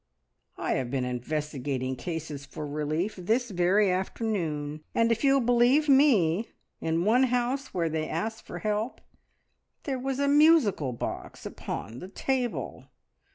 "I have been investigating cases for relief this very afternoon, and if you'll believe me in one house where they asked for help there was a musical box upon the table!